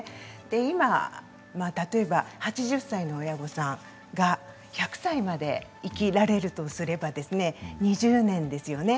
今、例えば８０歳の親御さんが１００歳まで生きられるとすれば２０年ですよね。